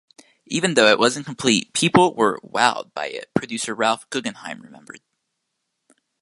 "Even though it wasn't complete, people were wowed by it," producer Ralph Guggenheim remembered.